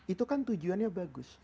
itu kan tujuannya bagus